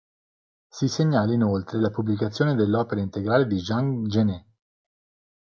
Si segnala inoltre la pubblicazione dell'opera integrale di Jean Genet.